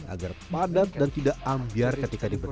agar padat dan tidak ambiar ketika diberi